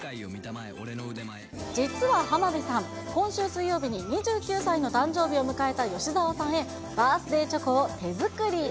実は浜辺さん、今週水曜日に２９歳の誕生日を迎えた吉沢さんへ、バースデーチョコを手作り。